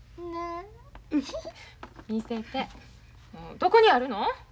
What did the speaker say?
どこにあるの？